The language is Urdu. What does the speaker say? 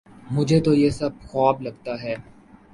مجھے تو یہ سب خواب لگتا ہے